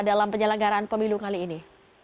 dalam penyelenggaran pemilu kali ini